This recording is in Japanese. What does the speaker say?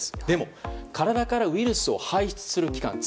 でも、体からウイルスを排出する期間